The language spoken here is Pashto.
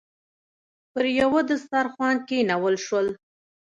پر یوه دسترخوان کېنول شول.